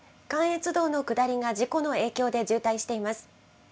関越道の下りが事故の影響で渋滞しています。